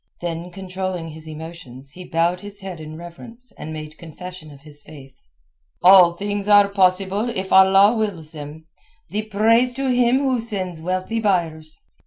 Then controlling his emotions he bowed his head in reverence and made confession of his faith. "All things are possible if Allah wills them. The praise to Him who sends wealthy buyers."